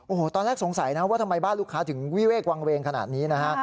โอ้โหตอนแรกสงสัยนะว่าทำไมบ้านลูกค้าถึงวิเวกวางเวงขนาดนี้นะฮะ